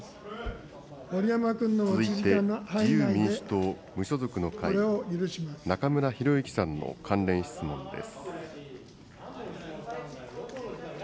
続いて自由民主党・無所属の会、中村裕之さんの関連質問です。